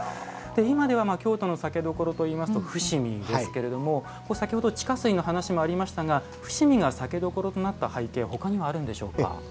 今では京都の酒どころといいますと伏見ですけれども先ほど地下水の話もありましたが伏見が酒どころとなった背景ほかにもあるんでしょうか？